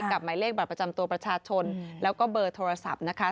หมายเลขบัตรประจำตัวประชาชนแล้วก็เบอร์โทรศัพท์นะคะ